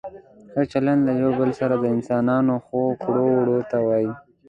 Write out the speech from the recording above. ښه چلند له یو بل سره د انسانانو ښو کړو وړو ته وايي.